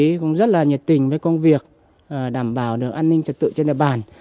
tôi cũng rất là nhiệt tình với công việc đảm bảo được an ninh trật tự trên địa bàn